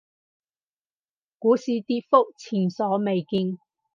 股市跌幅前所未見